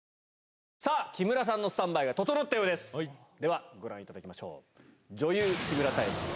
木村さんのスタンバイが整ったようですではご覧いただきましょう。